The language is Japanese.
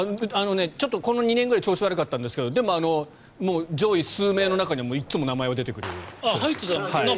この２年くらい調子が悪かったんですけど上位数名の中にはいつも名前は出てくる人です。